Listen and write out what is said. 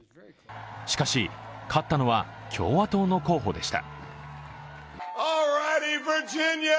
しかし、勝ったのは共和党の候補でした。